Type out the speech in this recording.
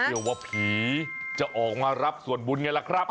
ว่าผีจะออกมารับส่วนบุญไงล่ะครับ